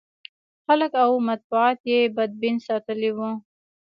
خلک او مطبوعات یې بدبین ساتلي و.